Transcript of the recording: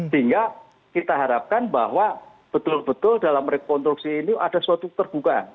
sehingga kita harapkan bahwa betul betul dalam rekonstruksi ini ada suatu keterbukaan